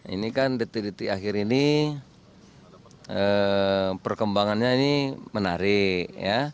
ini kan detik detik akhir ini perkembangannya ini menarik ya